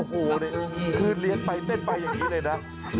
โอ้โหนี่คือเลี้ยงไปเต้นไปอย่างนี้เลยนะ